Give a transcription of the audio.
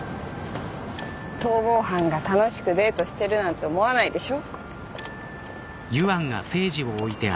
逃亡犯が楽しくデートしてるなんて思わないでしょ？